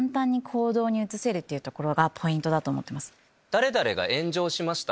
誰々が炎上しました